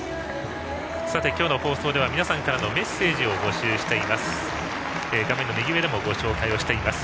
今日の放送では皆さんからのメッセージを募集しています。